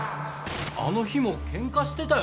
あの日もケンカしてたよな？